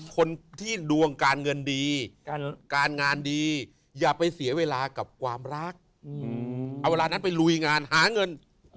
คนที่ดวงการเงินดีการงานดีอย่าไปเสียเวลากับความรักเอาเวลานั้นไปลุยงานหาเงิน